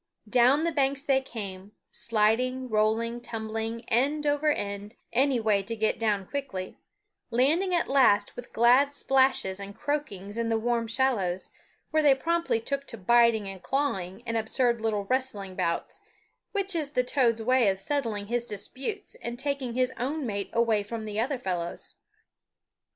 Down the banks they came, sliding, rolling, tumbling end over end, any way to get down quickly, landing at last with glad splashings and croakings in the warm shallows, where they promptly took to biting and clawing and absurd little wrestling bouts; which is the toad's way of settling his disputes and taking his own mate away from the other fellows.